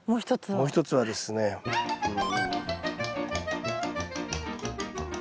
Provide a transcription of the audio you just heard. もう一つはですねうん。